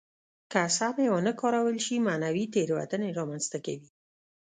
که سمې ونه کارول شي معنوي تېروتنې را منځته کوي.